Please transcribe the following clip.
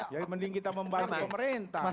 ya mending kita membantu pemerintah